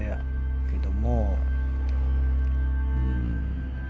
けども。